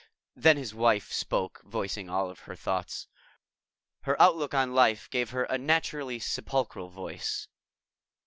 Then his wife spoke, voicing all their thoughts. Her outlook on life gave her a naturally sepulchral voice.